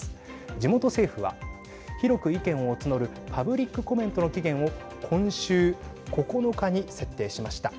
地元政府は広く意見を募るパブリックコメントの期限を今週９日に設定しました。